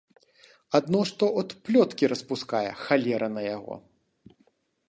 Адно што от плёткі распускае, халера на яго.